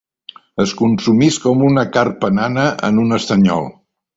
Es consumís com una carpa nana en un estanyol.